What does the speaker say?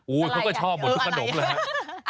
อู้ยเขาก็ชอบหมดทุกขนมเลยค่ะ